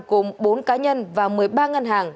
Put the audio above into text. gồm bốn cá nhân và một mươi ba ngân hàng